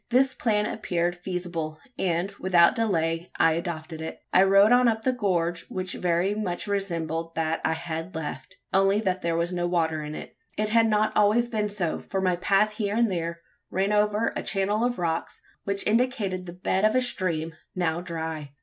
This plan appeared feasible; and, without delay, I adopted it. I rode on up the gorge, which very much resembled that I had left only that there was no water in it. It had not been always so: for my path here and there ran over a channel of rocks, which indicated the bed of a stream, now dry.